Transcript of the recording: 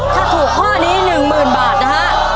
ถ้าถูกข้อนี้หนึ่งหมื่นบาทนะฮะ